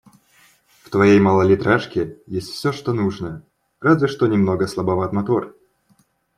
В твоей малолитражке есть всё, что нужно, разве что немного слабоват мотор.